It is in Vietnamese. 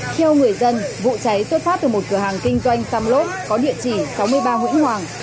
theo người dân vụ cháy tuyên phát từ một cửa hàng kinh doanh tăm lốt có địa chỉ sáu mươi ba nguyễn hoàng